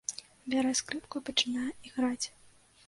Бярэ скрыпку і пачынае іграць.